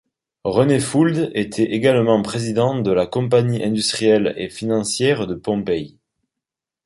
René Fould était également président de la Compagnie industrielle et financière de Pompey.